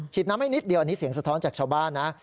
น้ำให้นิดเดียวอันนี้เสียงสะท้อนจากชาวบ้านนะ